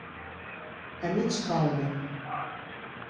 A mig coure.